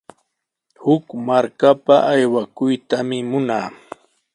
Huk markapa aywakuytami munaa.